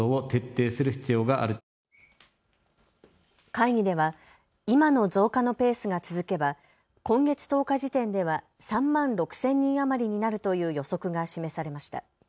会議では今の増加のペースが続けば今月１０日時点では３万６０００人余りになるという予測が示されました。